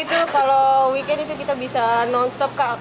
itu kalau weekend itu kita bisa non stop kak